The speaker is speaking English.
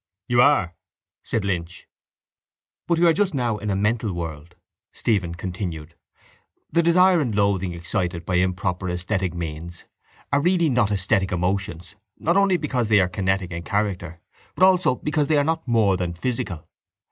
—You are, said Lynch. —But we are just now in a mental world, Stephen continued. The desire and loathing excited by improper esthetic means are really not esthetic emotions not only because they are kinetic in character but also because they are not more than physical.